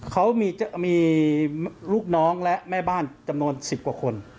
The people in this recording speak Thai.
เขามีลูกน้องและแม่บ้านจำนวน๑๐กว่าคน